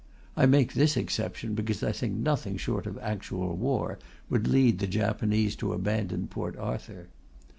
(I make this exception because I think nothing short of actual war would lead the Japanese to abandon Port Arthur.)